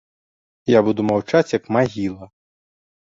Я буду маўчаць як магіла.